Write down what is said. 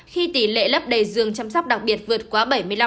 khi tỷ lệ lấp đầy dường chăm sóc đặc biệt vượt qua bảy mươi năm